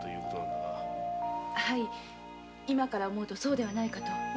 はい今から思うとそうではないかと。